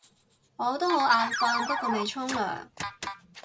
我都好眼瞓，不過未沖涼